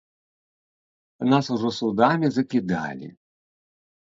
Нас ужо судамі закідалі.